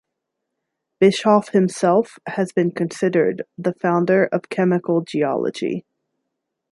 Bischof himself has been considered the founder of chemical geology.